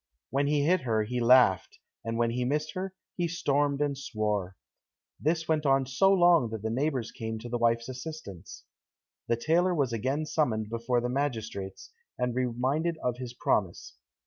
When he hit her he laughed, and when he missed her, he stormed and swore. This went on so long that the neighbors came to the wife's assistance. The tailor was again summoned before the magistrates, and reminded of his promise.